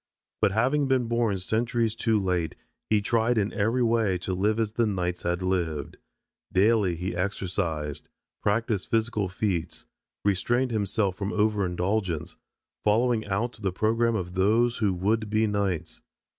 But having been born centuries too late he tried in every way to live as the knights had lived. Daily he exercised, practiced physical feats, restrained himself from over indulgence, following out the program of those who would be knights.